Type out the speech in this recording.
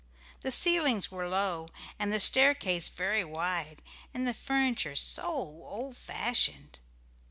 The ceilings were low, and the staircase very wide, and the furniture so old fashioned.